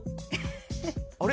あれ？